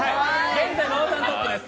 現在、馬場さんトップです。